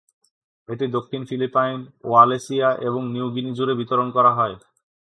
এটি দক্ষিণ Philippines, Wallacea এবং নিউ গিনি জুড়ে বিতরণ করা হয়।